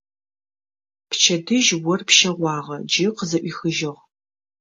Пчэдыжь ор пщэгъуагъэ, джы къызэӏуихыжьыгъ.